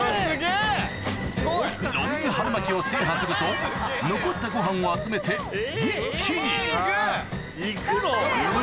ロング春巻きを制覇すると残ったご飯を集めて一気に頑張れ！